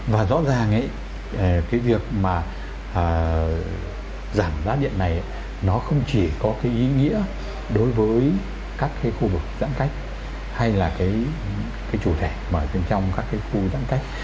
và rõ ràng việc giảm giá điện này không chỉ có ý nghĩa đối với các khu vực giãn cách hay là chủ thể ở trong các khu giãn cách